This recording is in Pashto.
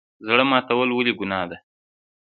زړه ماتول ولې ګناه ده؟